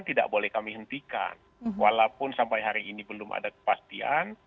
tidak boleh kami hentikan walaupun sampai hari ini belum ada kepastian